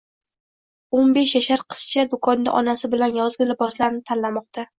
O'nbesh yashar qizcha do‘konda onasi bilan yozgi liboslarni tanlamoqda.